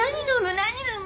何飲む？